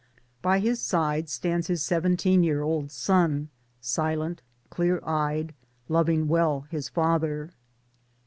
By his side stands his seventeen year old son, silent^ clear eyed,' loving well his father.